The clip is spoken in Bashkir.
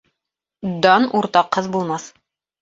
Дан уртаҡһыҙ булмаҫ.